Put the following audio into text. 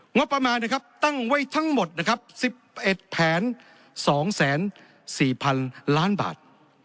งบประมาณนะครับตั้งไว้ทั้งหมดนะครับ๑๑แผน๒๔๐๐๐ล้านบาท